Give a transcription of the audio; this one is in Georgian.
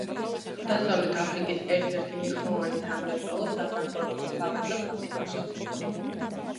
დასავლეთ აფრიკის ერთ-ერთი მნიშვნელოვანი სამრეწველო, სატრანსპორტო და სავაჭრო-საფინანსო ცენტრი.